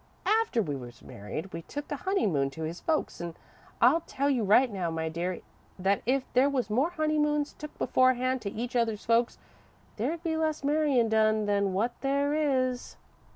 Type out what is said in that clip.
"After we was married, we took a honeymoon to his folks, an' I'll tell you right now, my dear, that if there was more honeymoons took beforehand to each other's folks, there'd be less marryin' done than what there is.